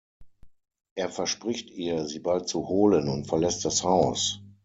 Er verspricht ihr sie bald zu holen, und verlässt das Haus.